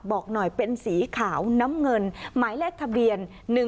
บอกหน่อยเป็นสีขาวน้ำเงินหมายเลขทะเบียน